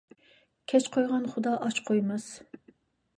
كەچ قويغان خۇدا ئاچ قويماس.